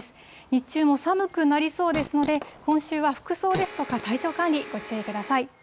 日中も寒くなりそうですので、今週は服装ですとか、体調管理、ご注意ください。